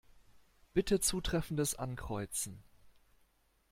Bitte zutreffendes Ankreuzen.